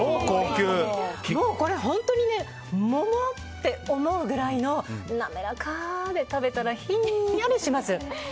これ、本当に桃！って思うぐらいの滑らかなで食べたらひんやりします。